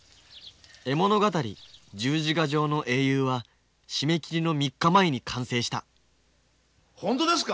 絵物語「十字架上の英雄」は締め切りの３日前に完成した本当ですか？